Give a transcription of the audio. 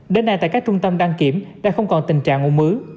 đến nay tại các trung tâm đăng kiểm đã không còn tình trạng nguồn mứ